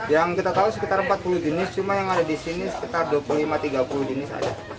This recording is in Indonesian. yang kita tahu sekitar empat puluh jenis cuma yang ada di sini sekitar dua puluh lima tiga puluh jenis saja